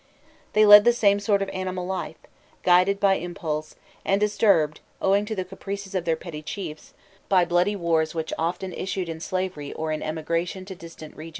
They led the same sort of animal life, guided by impulse, and disturbed, owing to the caprices of their petty chiefs, by bloody wars which often issued in slavery or in emigration to distant regions.